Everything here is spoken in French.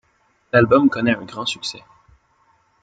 L'album connaît un grand succès.